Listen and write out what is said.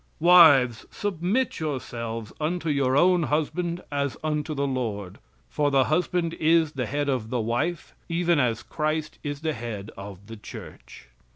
"Wives, submit yourselves unto your own husband as unto the Lord, for the husband is the head of the wife even as Christ is the head of the Church."